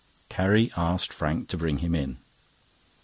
Carrie asked Frank to bring him in.